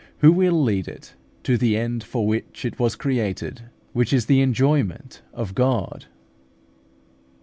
14), who will lead it to the end for which it was created, which is the enjoyment of God.